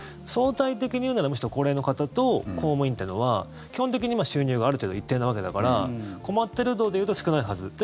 相対的に言うなら、むしろ高齢の方と公務員というのは基本的に今、収入がある程度一定なわけだから困ってる度でいうと少ないはず。